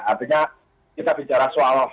artinya kita bicara soal